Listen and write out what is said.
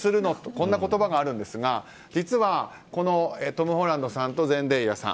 こんな言葉があるんですが実は、トム・ホランドさんとゼンデイヤさん